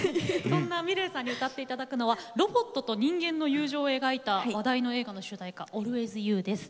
そんなｍｉｌｅｔさんに歌って頂くのはロボットと人間の友情を描いた話題の映画の主題歌「ＡｌｗａｙｓＹｏｕ」です。